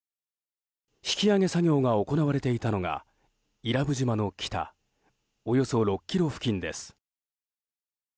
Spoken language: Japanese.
引き揚げ作業が行われていたのが伊良部島の北およそ６ｋｍ付近です。